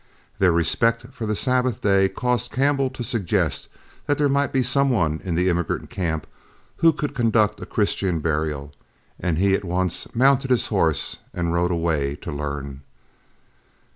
Their respect for the Sabbath day caused Campbell to suggest that there might be some one in the emigrant camp who could conduct a Christian burial, and he at once mounted his horse and rode away to learn.